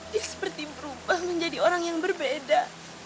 dia seperti berubah menjadi orang yang berbeda